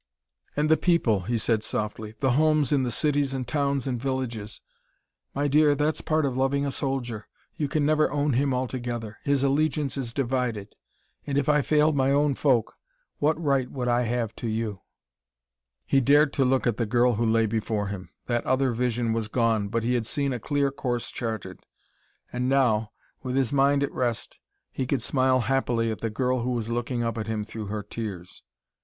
"And the people," he said softly; "the homes in the cities and towns and villages. My dear, that's part of loving a soldier: you can never own him altogether; his allegiance is divided. And if I failed my own folk what right would I have to you?" He dared to look at the girl who lay before him. That other vision was gone but he had seen a clear course charted, and now, with his mind at rest, he could smile happily at the girl who was looking up at him through her tears.